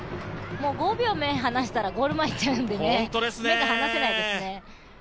もう５秒目離したらゴール前いっちゃうんで目が離せないですね。